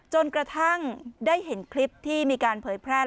จนกระทั่งได้เห็นคลิปที่มีการเผยแพร่